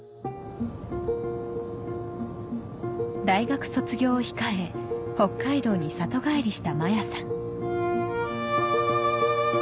大学卒業を控え北海道に里帰りした摩耶さん